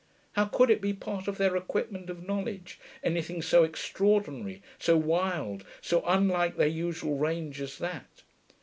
How could it be part of their equipment of knowledge, anything so extraordinary, so wild, so unlike their usual range as that?